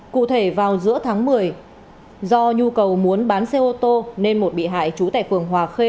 cụ thể vào giữa tháng một mươi do nhu cầu muốn bán xe ô tô nên một bị hại trú tại phường hòa khê